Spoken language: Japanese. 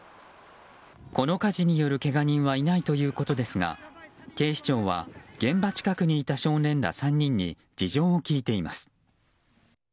この火事によるけが人はいないということですが警視庁は現場近くにいた少年ら３人に事情を聴いています。